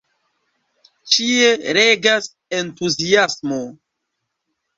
Ĉie regas entuziasmo.